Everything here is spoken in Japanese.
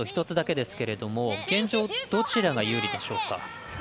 １つだけですけれど現状、どちらが有利でしょうか？